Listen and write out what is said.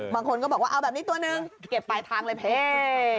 บางคนก็บอกว่าเอาแบบนี้ตัวหนึ่งเก็บปลายทางเลยเพลง